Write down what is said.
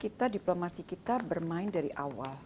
karena diplomasi kita bermain dari awal